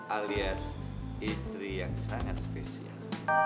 alias istri yang sangat spesial